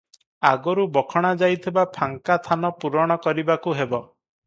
ଆଗରୁ ବଖଣାଯାଇଥିବା ଫାଙ୍କା ଥାନ ପୂରଣ କରିବାକୁ ହେବ ।